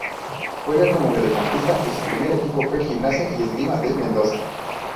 Juega como mediocampista y su primer equipo fue Gimnasia y Esgrima de Mendoza.